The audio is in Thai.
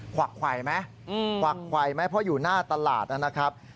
วักไขวไหมกวักไขวไหมเพราะอยู่หน้าตลาดนะครับ